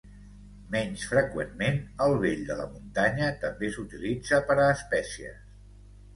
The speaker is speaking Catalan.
Menys freqüentment, el vell de la muntanya també s'utilitza per a espècies.